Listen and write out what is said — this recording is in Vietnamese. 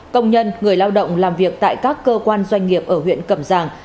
công nhân người lao động làm việc tại các cơ quan doanh nghiệp ở huyện cầm giang